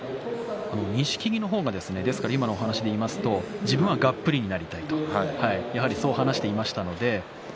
錦木の方が今のお話でいいますと自分はがっぷりになりたいと話していましたので。